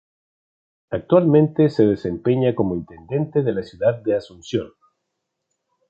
Actualmente se desempeña como intendente de la ciudad de Asunción.